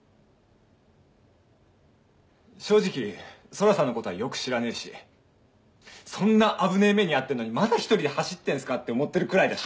正直空さんのことはよく知らねえしそんな危ねぇ目に遭ってんのにまだ１人で走ってんすか？って思ってるくらいだし。